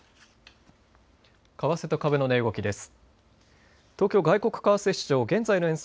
為替と株の値動きです。